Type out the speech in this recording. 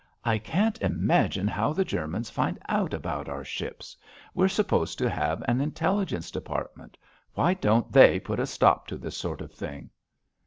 "I can't imagine how the Germans find out about our ships. We're supposed to have an Intelligence Department. Why don't they put a stop to this sort of thing?"